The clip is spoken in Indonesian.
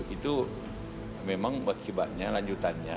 itu memang kecepatannya lanjutannya